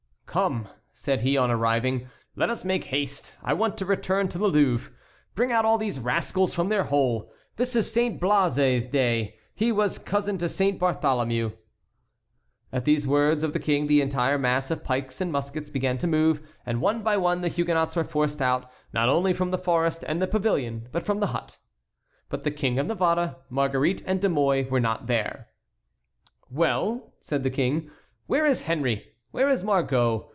"Come," said he on arriving, "let us make haste; I want to return to the Louvre. Bring out all these rascals from their hole. This is Saint Blaise's day; he was cousin to Saint Bartholomew." At these words of the King the entire mass of pikes and muskets began to move, and one by one the Huguenots were forced out not only from the forest and the pavilion but from the hut. But the King of Navarre, Marguerite, and De Mouy were not there. "Well," said the King, "where is Henry? Where is Margot?